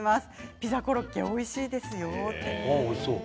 ピザコロッケおいしいですよ。